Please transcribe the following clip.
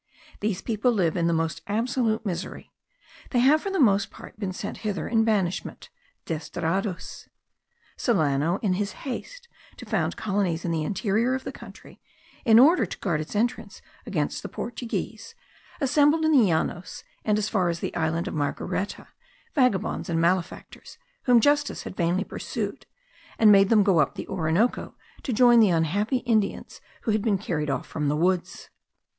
These people live in the most absolute misery; they have for the most part been sent hither in banishment (desterrados). Solano, in his haste to found colonies in the interior of the country, in order to guard its entrance against the Portuguese, assembled in the Llanos, and as far as the island of Margareta, vagabonds and malefactors, whom justice had vainly pursued, and made them go up the Orinoco to join the unhappy Indians who had been carried off from the woods.